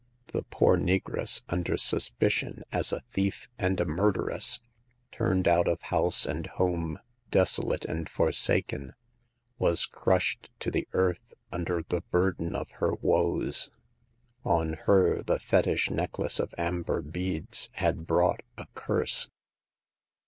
The poor negress, under suspicion as a thief and a murderess, turned out of house and home, desolate and forsaken, was crushed to the 76 Hagar of the Pawn Shop. earth under the burden of her woes. On her the fetish necklace of amber beads had brought a curse.